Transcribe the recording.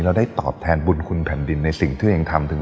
ได้ตอบแทนบุญคุณแผ่นดินในสิ่งที่ตัวเองทำถึง